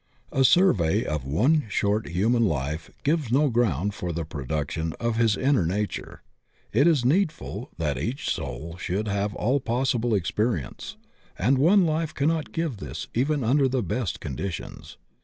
A survey of one short human life gives no ground for the production of his inner nature. It is needful that eacn soul should have aU possible experience, and one life cannot give this even under the best conditions.